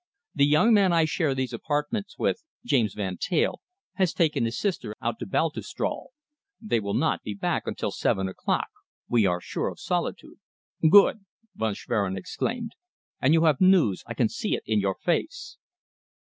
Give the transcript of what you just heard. "The young man I share these apartments with James Van Teyl has taken his sister out to Baltusrol. They will not be back until seven o'clock. We are sure of solitude." "Good!" Von Schwerin exclaimed. "And you have news I can see it in your face."